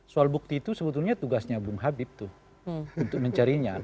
soal bukti itu sebetulnya tugasnya bung habib tuh untuk mencarinya